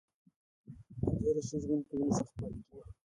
هغه له ښه ژوند کولو څخه پاتې کیږي.